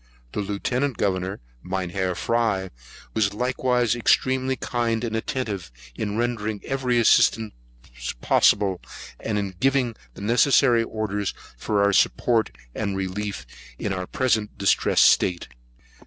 The Lieutenant Governor, Mynheer Fry, was likewise extremely kind and attentive, in rendering every assistance possible, and in giving the necessary orders for our support and relief in our present distressed state.